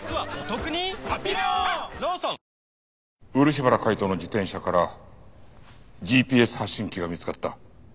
漆原海斗の自転車からＧＰＳ発信器が見つかった。